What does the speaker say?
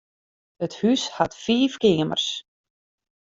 It hús hat fiif keamers.